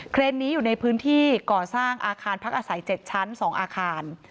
นี้อยู่ในพื้นที่ก่อสร้างอาคารพักอาศัย๗ชั้น๒อาคาร